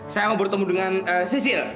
saya mau bertemu dengan sisil